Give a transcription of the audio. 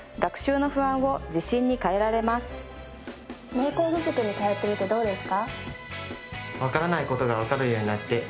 明光義塾に通ってみてどうですか？